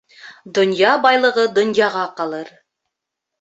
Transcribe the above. Донъя байлығы донъяға ҡалыр.